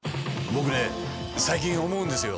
僕ね最近思うんですよ。